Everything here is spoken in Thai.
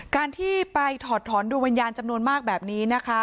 การที่ไปถอดถอนดวงวิญญาณจำนวนมากแบบนี้นะคะ